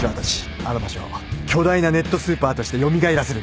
あの場所を巨大なネットスーパーとして蘇らせるんだ。